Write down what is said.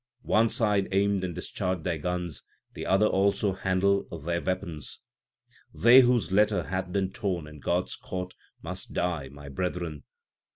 One side aimed and discharged their guns, the other also handled their weapons : They whose letter * hath been torn in God s court must die, my brethren.